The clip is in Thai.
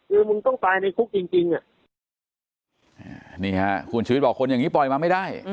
คือมึงต้องตายในคุกจริงอ่ะนี่ฮะคุณชีวิตบอกคนอย่างนี้ปล่อยมาไม่ได้